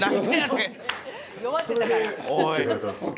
おい。